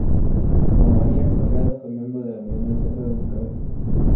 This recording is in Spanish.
Como Arias-Salgado, fue miembro de la Unión de Centro Democrático.